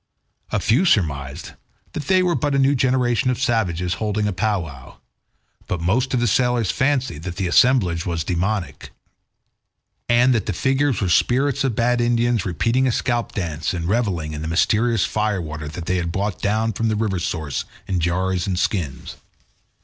A few surmised that they were but a new generation of savages holding a powwow, but most of the sailors fancied that the assemblage was demoniac, and that the figures were spirits of bad Indians repeating a scalp dance and revelling in the mysterious fire water that they had brought down from the river source in jars and skins.